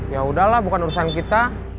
yaudah lah bukan urusan kita